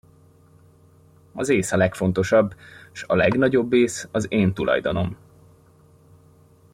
Az ész a legfontosabb, s a legnagyobb ész az én tulajdonom!